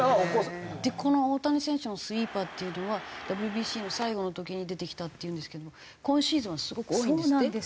でこの大谷選手のスイーパーっていうのはＷＢＣの最後の時に出てきたっていうんですけども今シーズンはすごく多いんですって？